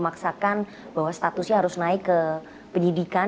maka saya yakin bahwa statusnya harus naik ke penyelidikan